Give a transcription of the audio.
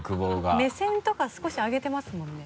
目線とか少し上げてますもんね。